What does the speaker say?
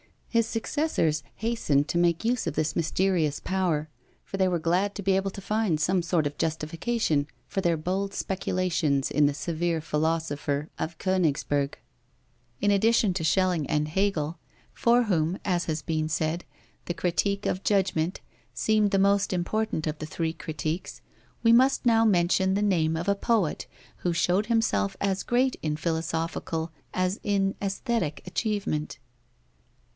His successors hastened to make use of this mysterious power, for they were glad to be able to find some sort of justification for their bold speculations in the severe philosopher of Königsberg. In addition to Schelling and Hegel, for whom, as has been said, the Critique of Judgment seemed the most important of the three Critiques, we must now mention the name of a poet who showed himself as great in philosophical as in aesthetic achievement.